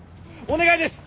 お願いです。